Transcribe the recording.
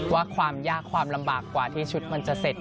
ว่าความยากความลำบากกว่าที่ชุดมันจะเสร็จ